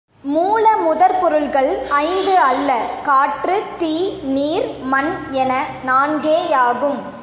மூல முதற் பொருள்கள் ஐந்து அல்ல காற்று, தீ, நீர், மண் என நான்கேயாகும்.